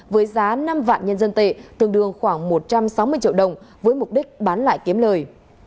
với giá năm vạn nhân dân tệ tương đương khoảng một trăm sáu mươi triệu đồng với mục đích bán lại kiếm lời